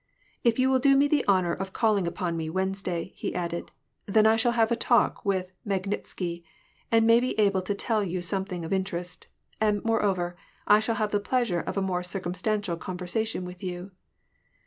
'^ If you will do me the honor of calling upon me Wednesday/' he added, " then I shall have had a talk with Magnitsky, and may he ahle to tell you some thing of interest ; and^ moreover, I shall have the pleasure of a more circumstantial conversation with you."